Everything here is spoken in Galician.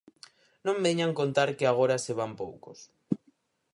Non veñan contar que agora se van poucos.